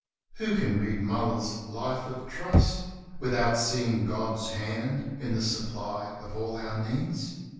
Who can read Muller's "Life of Trust," without seeing God's hand in the supply of all our needs?